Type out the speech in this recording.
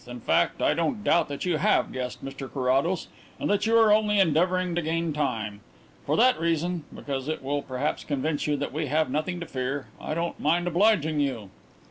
In fact, I don't doubt that you have guessed, Mr Carrados, and that you are only endeavouring to gain time. For that reason because it will perhaps convince you that we have nothing to fear I don't mind obliging you."